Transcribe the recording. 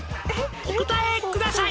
お答えください」